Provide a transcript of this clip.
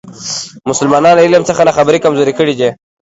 مسلمانان له علم څخه ناخبري کمزوري کړي دي.